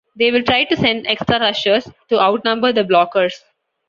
They will try to send extra rushers to outnumber the blockers.